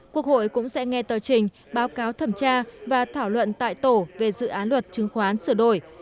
quốc hội cũng sẽ nghe tờ trình báo cáo thẩm tra và thảo luận tại tổ về dự án luật chứng khoán sửa đổi